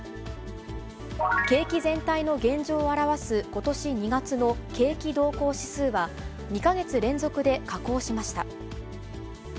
景気全体の現状を表す、ことし２月の景気動向指数は、２か月連続で下降しました。